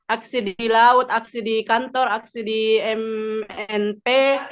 aksi di laut aksi di kantor aksi di mnp